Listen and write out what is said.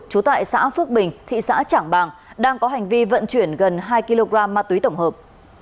trú tại xã phước bình thị xã trảng bàng đang có hành vi vận chuyển gần hai kg ma túy tổng hợp